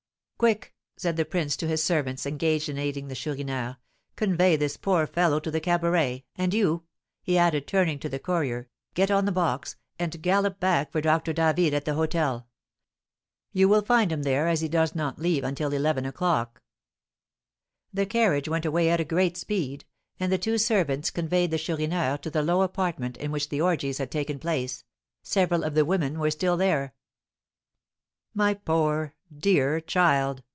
"Quick!" said the prince to his servants engaged in aiding the Chourineur, "convey this poor fellow to the cabaret; and you," he added, turning to the courier, "get on the box, and gallop back for Doctor David at the hôtel; you will find him there, as he does not leave until eleven o'clock." The carriage went away at a great speed, and the two servants conveyed the Chourineur to the low apartment in which the orgies had taken place; several of the women were still there. "My poor, dear child!"